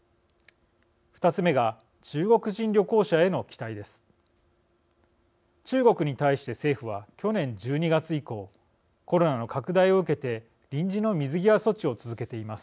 ２つ目が中国人旅行者への期待です。